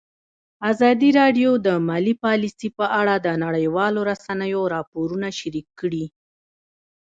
ازادي راډیو د مالي پالیسي په اړه د نړیوالو رسنیو راپورونه شریک کړي.